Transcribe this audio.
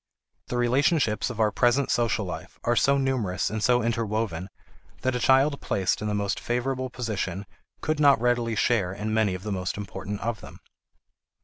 The relationships of our present social life are so numerous and so interwoven that a child placed in the most favorable position could not readily share in many of the most important of them.